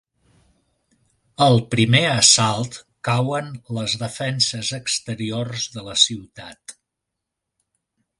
Al primer assalt cauen les defenses exteriors de la ciutat.